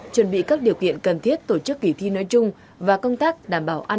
chuẩn bị các điều kiện cần thiết tổ chức kỳ thi nói chung và công tác đảm bảo an